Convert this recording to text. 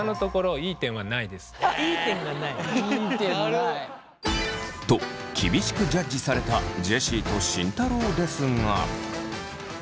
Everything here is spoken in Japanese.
いい点がない。と厳しくジャッジされたジェシーと慎太郎ですが。